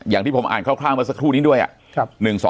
อย่างที่ผมอ่านคร่าวเมื่อสักครู่นี้ด้วย